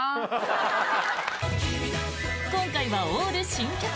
今回はオール新曲！